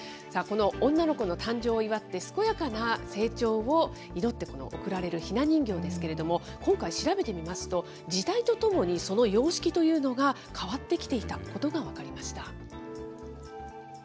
さあ、この女の子の誕生を祝って、健やかな成長を祈って贈られるひな人形ですけれども、今回、調べてみますと、時代とともにその様式というのが変わってきていたことが分かりました。